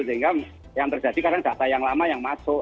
sehingga yang terjadi karena data yang lama yang masuk